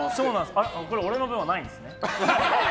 これ、俺の分はないんですね。